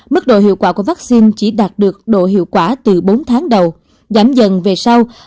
mức độ hiệu quả của vaccine chỉ đạt được độ hiệu quả từ bốn tháng đầu giảm dần về sau